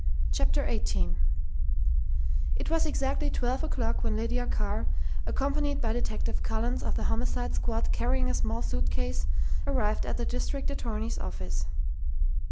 CHAPTER EIGHTEEN It was exactly twelve o'clock when Lydia Carr, accompanied by Detective Collins of the Homicide Squad carrying a small suitcase, arrived at the district attorney's office.